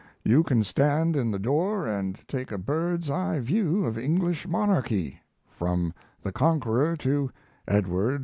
You can stand in the door and take a bird's eye view of English monarchy, from the Conqueror to Edward IV.